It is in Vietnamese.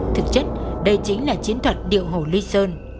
thực chất đây chính là chiến thuật điệu hồ ly sơn